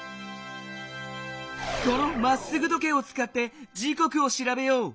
この「まっすぐ時計」をつかって時こくをしらべよう。